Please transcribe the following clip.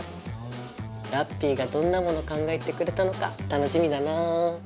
ラッピィがどんなもの考えてくれたのか楽しみだなぁ。